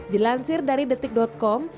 dilansir dari detik com